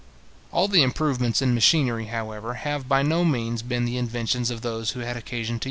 All the improvements in machinery, however, have by no means been the inventions of those who had occasion to use the machines.